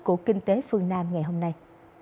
của kinh tế phương nam ngày hôm nay